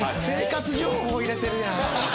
生活情報入れてるやん